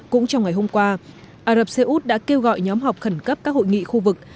cũng trong ngày hôm qua ả rập xê út đã kêu gọi nhóm họp khẩn cấp các hội nghị khu vực